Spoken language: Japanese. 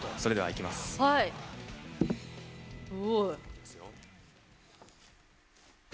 いきますよ。